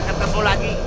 kita ketemu lagi